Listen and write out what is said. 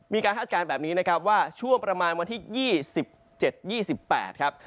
คาดการณ์แบบนี้นะครับว่าช่วงประมาณวันที่๒๗๒๘ครับ